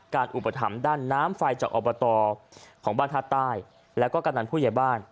อุปถัมภ์ด้านน้ำไฟจากอบตของบ้านท่าใต้แล้วก็กำนันผู้ใหญ่บ้าน